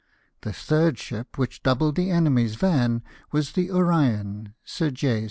The third ship which doubled the enemy's van was the Orion, Sir J.